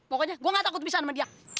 pokoknya gue gak takut bisa sama dia